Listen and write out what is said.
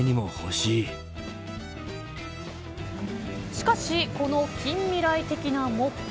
しかし、この近未来的なモップ